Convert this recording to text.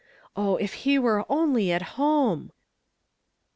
Oh, if he were only at home